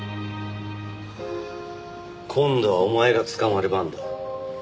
今度はお前が捕まる番だ。